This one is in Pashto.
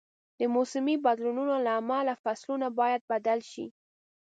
د موسمي بدلونونو له امله فصلونه باید بدل شي.